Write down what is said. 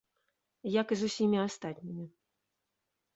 Як і з усімі астатнімі.